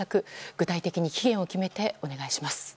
具体的に期限を決めてお願いします。